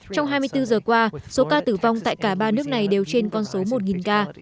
trong hai mươi bốn giờ qua số ca tử vong tại cả ba nước này đều trên con số một ca